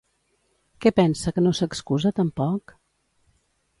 Què pensa que no s'excusa tampoc?